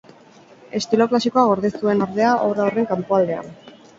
Estilo klasikoa gorde zuen, ordea, obra horren kanpoaldean.